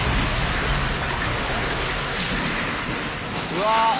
うわ。